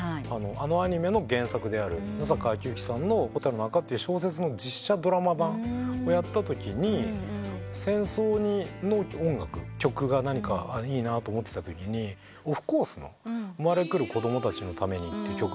あのアニメの原作である野坂昭如さんの『火垂るの墓』って小説の実写ドラマ版をやったときに戦争の曲がいいなと思ってたときにオフコースの『生まれ来る子供たちのために』って曲があって。